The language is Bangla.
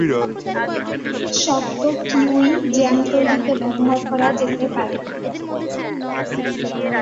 শক্ত কিউই জ্যাম তৈরিতে ব্যবহার করা যেতে পারে।